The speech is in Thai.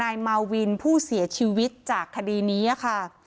นายมาวินผู้เสียชีวิตจากคดีนี้ค่ะ